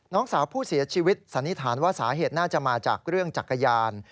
น้องสาวผู้เสียชีวิตสันนิษฐานว่าสาเหตุน่าจะมาจากเรื่องจักรยาน